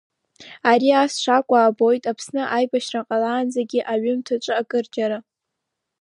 Ари ас шакәу аабоит Аԥсны аибашьра ҟалаанӡагьы аҩымҭаҿы акырџьара.